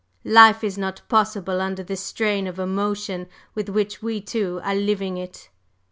Life is not possible under the strain of emotion with which we two are living it.